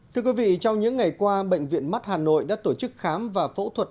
thưa quý vị trong những ngày qua bệnh viện mắt hà nội đã tổ chức khám và phẫu thuật